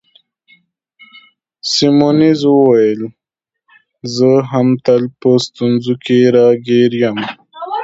سیمونز وویل: زه هم تل په ستونزو کي راګیر یم.